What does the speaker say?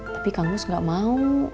tapi kang gus gak mau